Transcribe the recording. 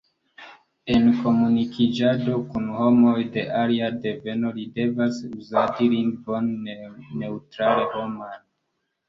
En komunikiĝado kun homoj de alia deveno li devas uzadi lingvon neŭtrale-homan.